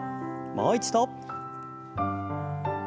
もう一度。